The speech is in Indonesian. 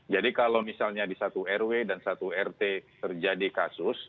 jadi kalau misalnya di satu rw dan satu rt terjadi kasus